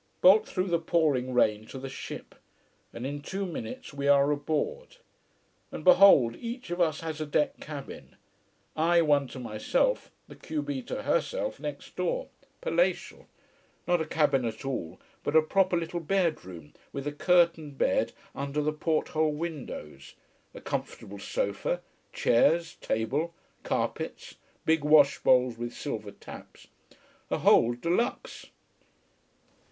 Bolt through the pouring rain to the ship. And in two minutes we are aboard. And behold, each of us has a deck cabin, I one to myself, the q b to herself next door. Palatial not a cabin at all, but a proper little bedroom with a curtained bed under the porthole windows, a comfortable sofa, chairs, table, carpets, big wash bowls with silver taps a whole de luxe.